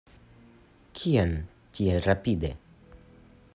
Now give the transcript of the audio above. Kien tiel rapide?